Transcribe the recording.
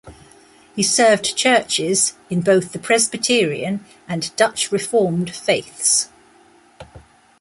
He served churches in both the Presbyterian and Dutch Reformed faiths.